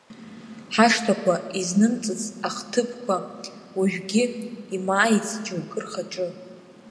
Ҳашҭақәа, изнымҵыц ахҭыԥқәа, уажәгьы имааицт џьоукы рхаҿы.